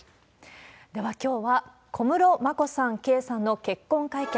では、きょうは小室眞子さん、圭さんの結婚会見。